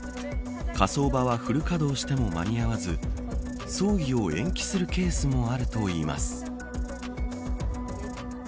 火葬場はフル稼働しても間に合わず葬儀を延期するケースもあるといいます。